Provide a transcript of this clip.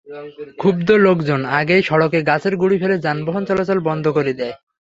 ক্ষুব্ধ লোকজন আগেই সড়কে গাছের গুঁড়ি ফেলে যানবাহন চলাচল বন্ধ করে দেয়।